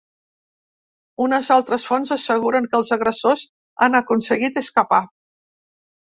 Unes altres fonts asseguren que els agressors han aconseguit escapar.